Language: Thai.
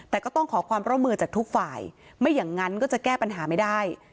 แต่ก็ต้องขอความร่วมมือจากทุกฝ่ายไม่อย่างนั้นก็จะแก้ปัญหาไม่ได้